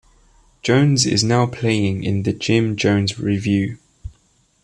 Jones is now playing in The Jim Jones Revue.